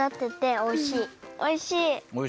おいしい？